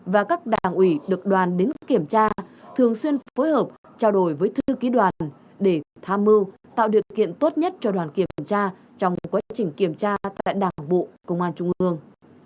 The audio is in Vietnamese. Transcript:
và các đảng ủy được đoàn đến kiểm tra thường xuyên phối hợp trao đổi với thư ký đoàn để tham mưu tạo điều kiện tốt nhất cho đoàn kiểm tra trong quá trình kiểm tra tại đảng bộ công an trung ương